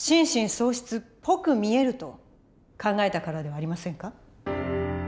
喪失っぽく見えると考えたからではありませんか？